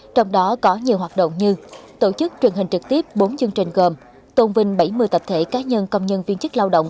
trong đó có nhiều hoạt động như tổ chức truyền hình trực tiếp bốn chương trình gồm tôn vinh bảy mươi tập thể cá nhân công nhân viên chức lao động